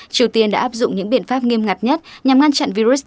triều tiên đã áp dụng những biện pháp nghiêm ngặt nhất nhằm ngăn chặn virus